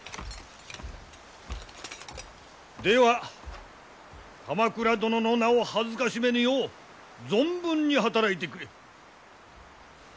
では鎌倉殿の名を辱めぬよう存分に働いてくれ。